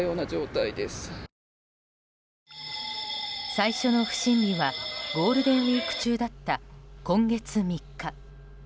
最初の不審火はゴールデンウィーク中だった今月３日。